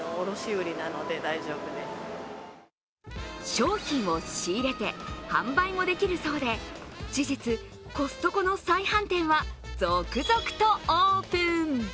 商品を仕入れて販売もできるそうで、事実、コストコの再販店は続々とオープン。